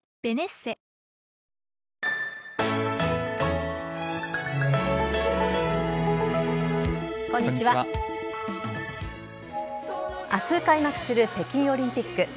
明日開幕する北京オリンピック。